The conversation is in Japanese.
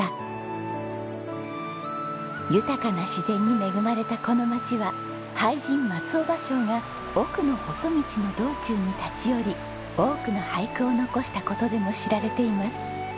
豊かな自然に恵まれたこの町は俳人松尾芭蕉が『奥の細道』の道中に立ち寄り多くの俳句を残した事でも知られています。